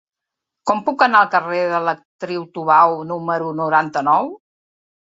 Com puc anar al carrer de l'Actriu Tubau número noranta-nou?